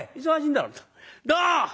「どう？